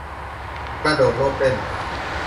กระโดดโลดเต้น